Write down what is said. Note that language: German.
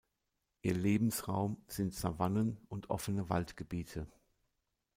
Ihr Lebensraum sind Savannen und offene Waldgebiete.